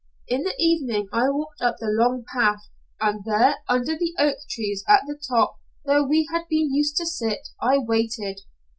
In the evening I walked up the long path, and there under the oak trees at the top where we had been used to sit, I waited.